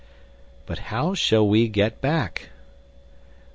"But how shall we get back?"